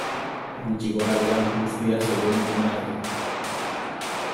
Gutxi gora-behera, guztia zegoen onartuta.